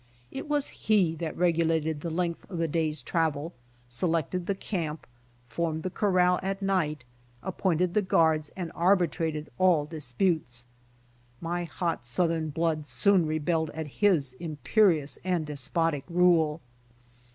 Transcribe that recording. It was he that regulated the length of the day's travel, selected the camp, formed the corral at night, appointed the guards and arbitrated all disputes. My hot Southern blood soon rebelled at his imperious and despotic rule.